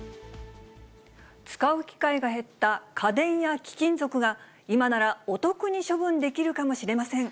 使う機会が減った家電や貴金属が、今ならお得に処分できるかもしれません。